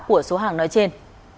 của số hàng nói trên